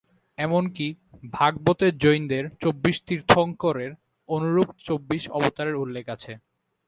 এমন কি ভাগবতে জৈনদের চব্বিশ তীর্থঙ্করের অনুরূপ চব্বিশ অবতারের উল্লেখ আছে।